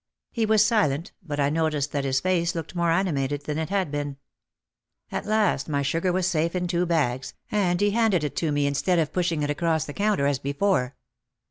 He was silent but I noticed that his face looked more animated than it had been. At last my sugar was safe in two bags, and he handed it to me instead of push ing it across the counter as before.